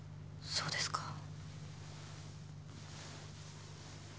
そうですか。